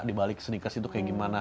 di balik senikas itu kayak gimana